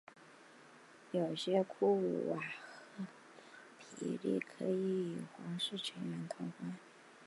有些库瓦赫皮利可以与皇室成员通婚。